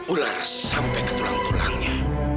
ular sampai ke tulang tulangnya